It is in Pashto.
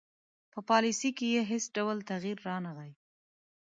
په پالیسي کې یې هیڅ ډول تغیر رانه غی.